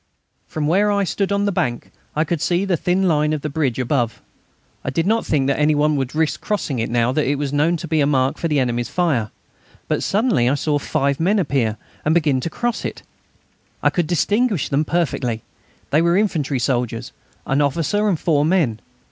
From where I stood on the bank I could see the thin line of the bridge above. I did not think that any one would risk crossing it now that it was known to be a mark for the enemy's fire, but suddenly I saw five men appear and begin to cross it. I could distinguish them perfectly; they were infantry soldiers, an officer and four men.